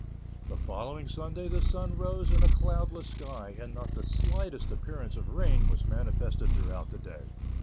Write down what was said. The following Sunday the sun rose in a cloudless sky, and not the slightest appearance of rain was manifested through the day.